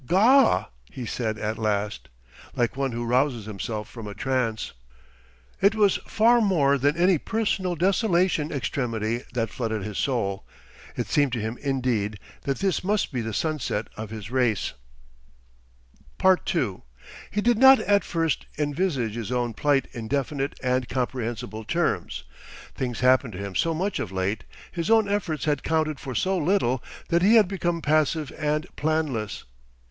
"Gaw!" he said at last, like one who rouses himself from a trance. It was far more than any personal desolation extremity that flooded his soul. It seemed to him indeed that this must be the sunset of his race. 2 He did not at first envisage his own plight in definite and comprehensible terms. Things happened to him so much of late, his own efforts had counted for so little, that he had become passive and planless.